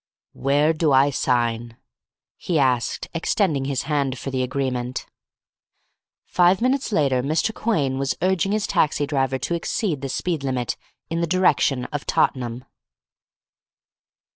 "Where do I sign?" he asked, extending his hand for the agreement. Five minutes later Mr. Quhayne was urging his taxidriver to exceed the speed limit in the direction of Tottenham.